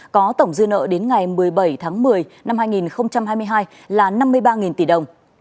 có tổng dư nợ đến ngày một mươi bảy tháng một mươi năm hai nghìn hai mươi hai là năm mươi ba tỷ đồng